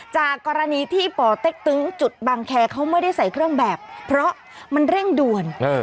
จากกรณีที่จุดบางแครเขาไม่ได้ใส่เครื่องแบบเพราะมันเร่งด่วนเออ